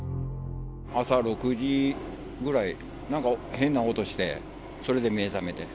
朝６時ぐらい、なんか変な音して、それで目ぇ覚めて。